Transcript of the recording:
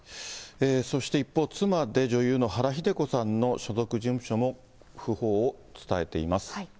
そして一方、妻で女優の原日出子さんの所属事務所も訃報を伝えています。